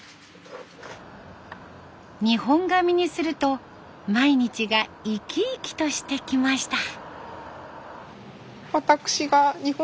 日本髪にすると毎日が生き生きとしてきました。